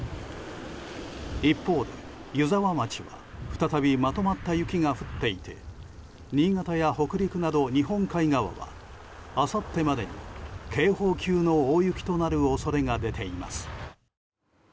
一方で湯沢町は再びまとまった雪が降っていて新潟や北陸など日本海側はあさってまでに警報級の大雪となる恐れが出ています。